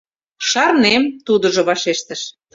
— Шарнем, — тудыжо вашештыш.